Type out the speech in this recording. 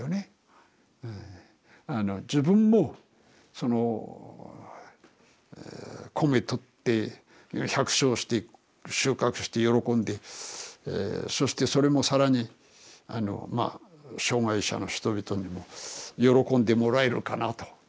自分もその米とって百姓して収穫して喜んでそしてそれも更にあのまあ障害者の人々にも喜んでもらえるかなと。